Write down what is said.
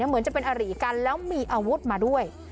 เหมือนจะเป็นอารีกันแล้วมีอาวุธมาด้วย